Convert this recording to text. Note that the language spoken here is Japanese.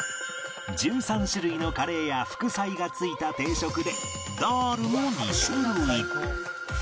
１３種類のカレーや副菜がついた定食でダールも２種類